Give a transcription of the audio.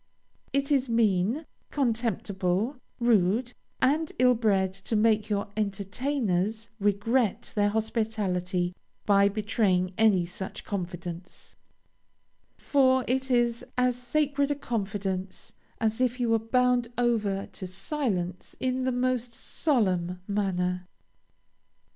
It is mean, contemptible, rude, and ill bred to make your entertainers regret their hospitality by betraying any such confidence; for it is as sacred a confidence as if you were bound over to silence in the most solemn manner.